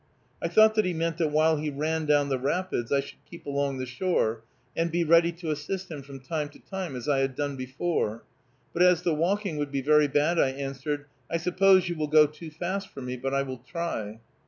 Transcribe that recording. I thought that he meant that while he ran down the rapids I should keep along the shore, and be ready to assist him from time to time, as I had done before; but as the walking would be very bad, I answered, "I suppose you will go too fast for me, but I will try."